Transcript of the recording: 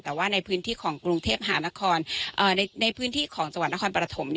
แต่ว่าในพื้นที่ของกรุงเทพหานครในพื้นที่ของจังหวัดนครปฐม